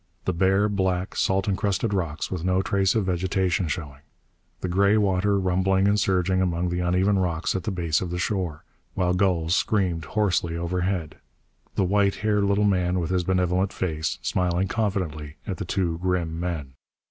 The bare, black, salt encrusted rocks with no trace of vegetation showing. The gray water rumbling and surging among the uneven rocks at the base of the shore, while gulls screamed hoarsely overhead. The white haired little man with his benevolent face, smiling confidently at the two grim men.